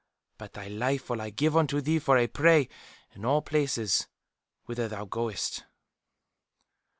But thy life will I give unto thee for a prey in all places whither thou goest.